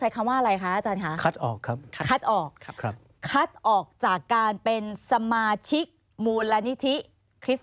คือคัดออกแค่การเป็นสมาชิกมูลนิทิ